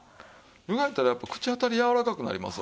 湯がいたらやっぱり口当たりやわらかくなりますわ。